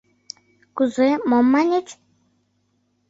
— Кузе, мом маньыч?